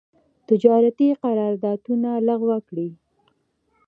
تجارتي قرارداونه لغو کړي.